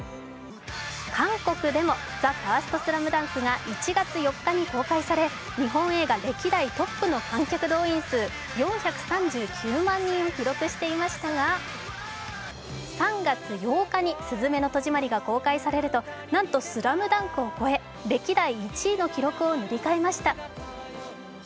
韓国でも「ＴＨＥＦＩＲＳＴＳＬＡＭＤＵＮＫ」が１月４日に公開され、日本映画歴代トップの観客動員数、４３９万人を記録していましたが３月８日に「すずめの戸締まり」が公開されるとなんと「ＳＬＡＭＤＵＮＫ」を超え、歴代１位の記録を塗り替えました。